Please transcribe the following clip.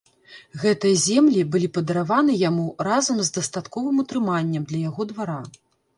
Гэтыя землі былі падараваны яму разам з дастатковым утрыманнем для яго двара.